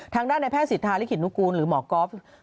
ทางด้านแพทย์ศิษฐาลิขิตนุกรุณหรือหมอกอล์ฟ